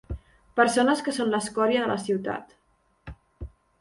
Persones que són l'escòria de la ciutat.